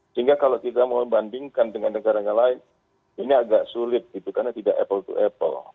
sehingga kalau kita membandingkan dengan negara negara lain ini agak sulit gitu karena tidak apple to apple